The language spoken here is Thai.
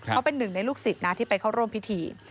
เขาเป็นหนึ่งในลูกศิษย์นะที่ไปเข้าร่วมพิธี